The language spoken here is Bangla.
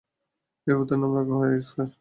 এ পুত্রের নাম রাখা হয় আয়সাখার।